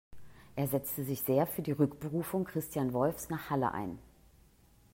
Er setzte sich sehr für die Rückberufung Christian Wolffs nach Halle ein.